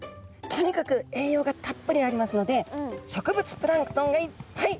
とにかく栄養がたっぷりありますので植物プランクトンがいっぱい！